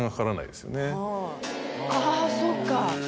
あぁそっか。